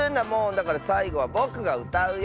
だからさいごはぼくがうたうよ！